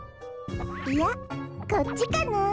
いやこっちかなあ。